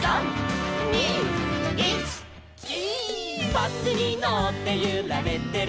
「バスにのってゆられてる」